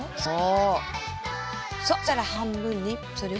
そう！